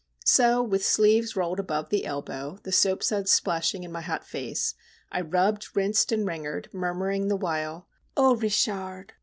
So, with sleeves rolled above the elbow, the soap suds splashing in my hot face, I rubbed, rinsed, and wringered, murmuring the while:— O Richard!